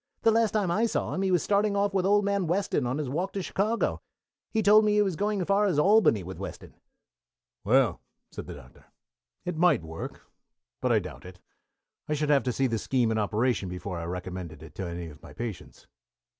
"The last time I saw him he was starting off with old man Weston on his walk to Chicago. He told me he was going as far as Albany with Weston." "Well," said the Doctor, "it might work, but I doubt it. I should have to see the scheme in operation before I recommended it to any of my patients."